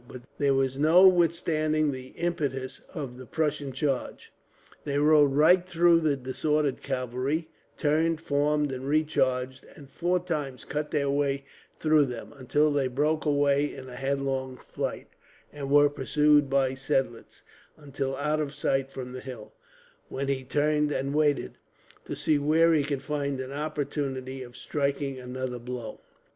But there was no withstanding the impetus of the Prussian charge. They rode right through the disordered cavalry; turned, formed, and recharged, and four times cut their way through them, until they broke away in headlong flight; and were pursued by Seidlitz until out of sight from the hill, when he turned and waited, to see where he could find an opportunity of striking another blow.